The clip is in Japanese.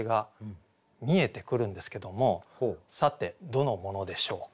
さてどのモノでしょうか。